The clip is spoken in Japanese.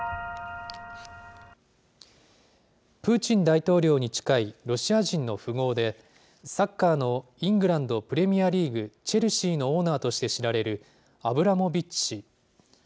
プーチン大統領に近いロシア人の富豪で、サッカーのイングランドプレミアリーグ・チェルシーのオーナーとして知られるアブラモビッチ氏。